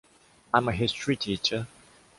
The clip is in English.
I’m a history teacher.